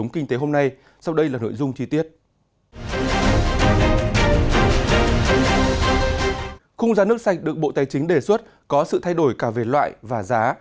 khung giá nước sạch được bộ tài chính đề xuất có sự thay đổi cả về loại và giá